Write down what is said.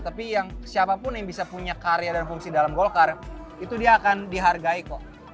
tapi yang siapapun yang bisa punya karya dan fungsi dalam golkar itu dia akan dihargai kok